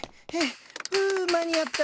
ふう間に合った！